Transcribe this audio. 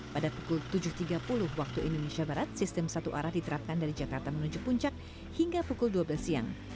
pada pukul tujuh tiga puluh waktu indonesia barat sistem satu arah diterapkan dari jakarta menuju puncak hingga pukul dua belas siang